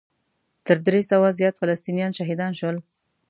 تر درې سوو زیات فلسطینیان شهیدان شول.